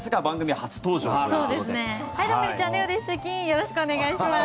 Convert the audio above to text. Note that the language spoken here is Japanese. よろしくお願いします。